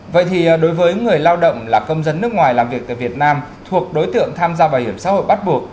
vậy thì đối với người lao động là công dân nước ngoài làm việc tại việt nam thuộc đối tượng tham gia bảo hiểm xã hội bắt buộc